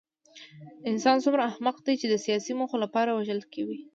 انسان څومره احمق دی چې د سیاسي موخو لپاره وژل کوي